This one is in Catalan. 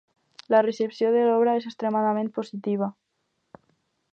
La recepció de l'obra és extremadament positiva.